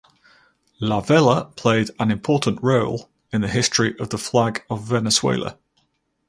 La Vela played an important role in the history of the Flag of Venezuela.